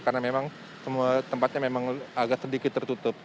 karena memang tempatnya memang agak sedikit tertutup